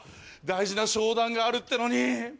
大事な商談があるってのに！